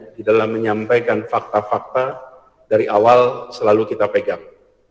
di dalam menyampaikan fakta fakta dari awal selalu kita pegang